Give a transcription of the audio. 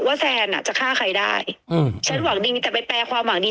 แซนอ่ะจะฆ่าใครได้อืมฉันหวังดีแต่ไปแปลความหวังดี